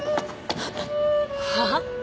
はあ？